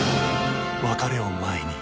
別れを前に。